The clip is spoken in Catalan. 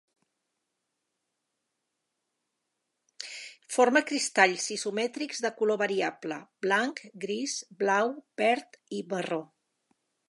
Forma cristalls isomètrics de color variable: blanc, girs, blau, verd i marró.